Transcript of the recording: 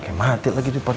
gak mati lagi di purchase